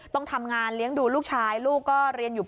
ต้องทำงานเลี้ยงดูลูกชายลูกก็เรียนอยู่